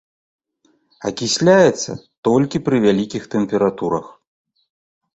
Акісляецца толькі пры вялікіх тэмпературах.